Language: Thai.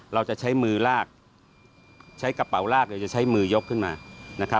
เราจะใช้มือลากใช้กระเป๋าลากเราจะใช้มือยกขึ้นมานะครับ